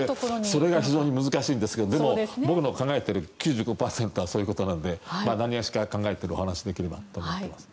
それが非常に難しいんですけど僕の考えてる９５％はそういうことなので何がしか考えていることをお話しできればと思います。